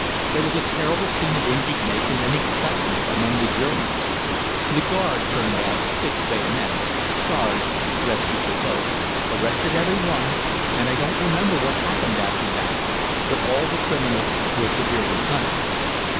There was a terrible scene of indignation and excitement among the Germans. The guard turned out fixed bayonets charged rescued the loaf arrested every one, and I don't remember what happened after that, but all the criminals were severely punished.